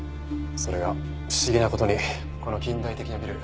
それが不思議な事にこの近代的なビル